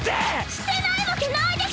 してないわけないでしょ！